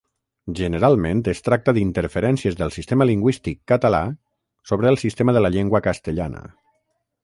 Generalment es tracta d'interferències del sistema lingüístic català sobre el sistema de la llengua castellana.